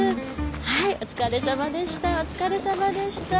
はいお疲れさまでした。